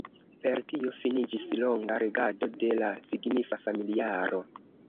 Per tio finiĝis longa regado de la signifa familiaro.